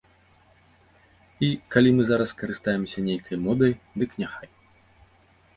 І, калі мы зараз карыстаемся нейкай модай, дык няхай!